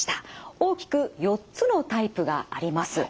大きく４つのタイプがあります。